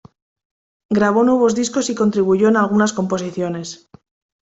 Grabó nuevos discos y contribuyó en algunas composiciones.